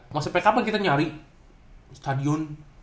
mau sampai kapan kita nyari stadion